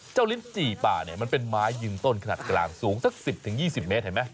ลิ้นจี่ป่าเนี่ยมันเป็นไม้ยืนต้นขนาดกลางสูงสัก๑๐๒๐เมตรเห็นไหม